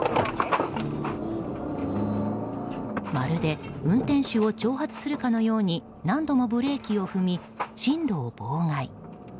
まるで運転手を挑発するかのように何度もブレーキを踏み進路を妨害。